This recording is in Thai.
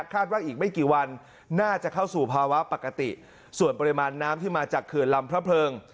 อีกไม่กี่วันน่าจะเข้าสู่ภาวะปกติส่วนปริมาณน้ำที่มาจากเขื่อนลำพระเพลิง